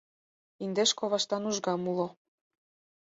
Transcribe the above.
Индеш коваштан ужгам уло.